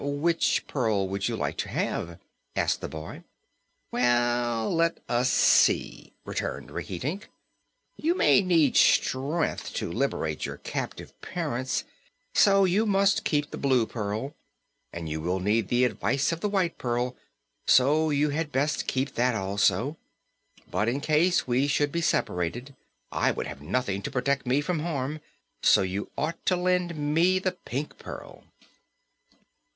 "Which pearl would you like to have?" asked the boy. "Well, let us see," returned Rinkitink; "you may need strength to liberate your captive parents, so you must keep the Blue Pearl. And you will need the advice of the White Pearl, so you had best keep that also. But in case we should be separated I would have nothing to protect me from harm, so you ought to lend me the Pink Pearl."